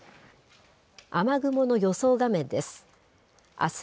雨雲の予想画面です。